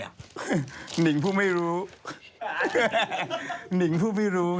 พี่หนิงมาบ่อยนะคะชอบเห็นมั้ยดูมีสาระหน่อย